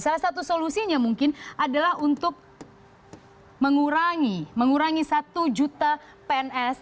salah satu solusinya mungkin adalah untuk mengurangi satu juta pns